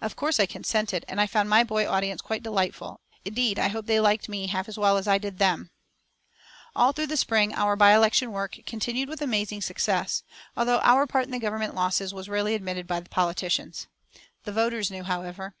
Of course I consented, and I found my boy audience quite delightful. Indeed, I hope they liked me half as well as I did them. All through the spring our by election work continued with amazing success, although our part in the Government losses was rarely admitted by the politicians. The voters knew, however.